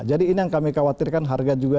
jadi ini yang kami khawatirkan harga juga